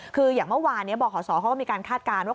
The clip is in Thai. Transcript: คืออย่างเมื่อวานบขศเขาก็มีการคาดการณ์ว่า